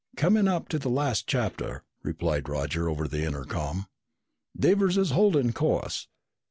"Coming up to the last chapter," replied Roger over the intercom. "Devers is holding course.